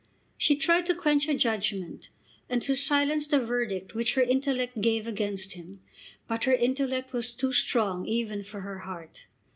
She tried to quench her judgment, and to silence the verdict which her intellect gave against him, but her intellect was too strong even for her heart.